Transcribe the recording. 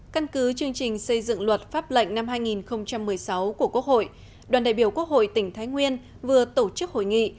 căn cứ chương trình xây dựng luật pháp lệnh năm hai nghìn một mươi sáu của quốc hội đoàn đại biểu quốc hội tỉnh thái nguyên vừa tổ chức hội nghị